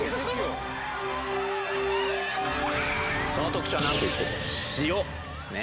その特徴はなんといっても塩ですね。